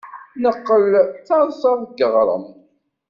Neqqel d taḍsa deg yiɣrem.